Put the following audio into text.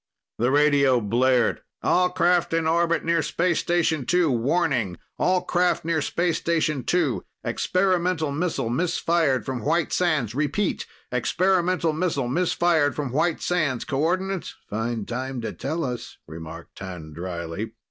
The radio blared: "All craft in orbit near Space Station 2! Warning! All craft near Space Station 2! Experimental missile misfired from White Sands! Repeat: experimental missile misfired from White Sands! Coordinates...." "Fine time to tell us," remarked T'an drily.